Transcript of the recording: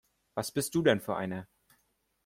Was bist du denn für einer?